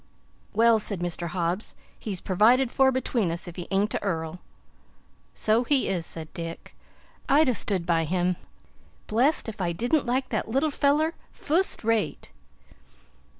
"Well," said Mr. Hobbs, "he's pervided for between us, if he aint a earl." "So he is," said Dick. "I'd ha' stood by him. Blest if I didn't like that little feller fust rate."